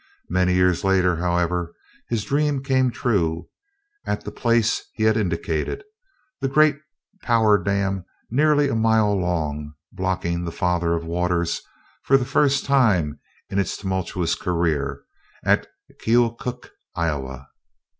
Many years later, however, his dream came true, at the place he had indicated, the great power dam nearly a mile long blocking the "Father of Waters" for the first time in his tumultuous career, at Keokuk, Iowa.